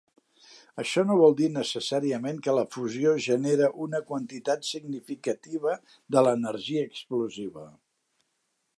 Això no vol dir necessàriament que la fusió genera una quantitat significativa de l'energia explosiva.